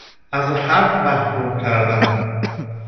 از حق محروم کردن